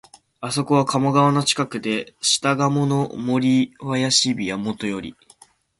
あそこは鴨川の近くで、下鴨の森林美はもとより、